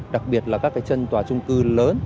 đặc biệt là các chân tòa trung cư lớn